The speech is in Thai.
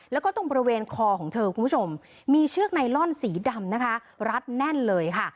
แล้วก็ตรงบริเวณคอของเธอคุณผู้ชมมีเชือกไนลอนสีดำนะคะรัดแน่นเลยค่ะ